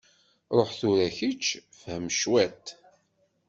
Ruḥ tura kečč fhem cwiṭ…